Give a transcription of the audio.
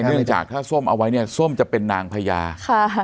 เนื่องจากถ้าส้มเอาไว้เนี่ยส้มจะเป็นนางพญาค่ะ